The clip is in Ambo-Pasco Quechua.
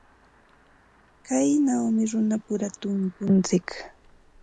Kaynawmi runapura tunkuntsik.